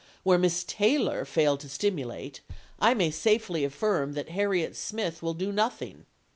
Where Miss Taylor failed to stimulate, I may safely affirm that Harriet Smith will do nothing.